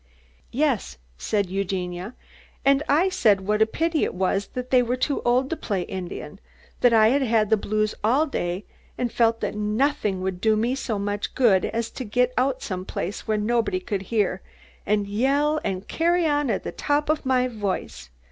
"Yes," said Eugenia, "and I said what a pity it was that we were too old to play Indian; that I had had the blues all day, and felt that nothing would do me so much good as to get out some place where nobody could hear, and yell and carry on at the top of my voice.